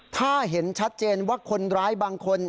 ถ้าเห็นชัดเจนว่าคนร้ายบางคน